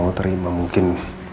mau terima mungkin